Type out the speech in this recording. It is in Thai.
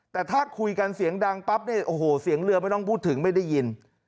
แต่ถ้าคุยกันเสียงดังปั๊บเนี่ยโอ้โหเสียงเรือไม่ต้องพูดถึงไม่ได้ยิน